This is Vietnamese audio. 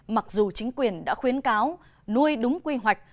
mặc dù chính quyền đã khuyến cáo nuôi đúng quy hoạch